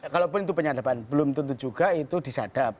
kalaupun itu penyadapan belum tentu juga itu disadap